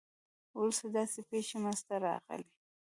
وروسته داسې پېښې منځته راغلې.